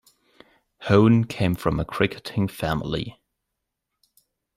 Hone came from a cricketing family.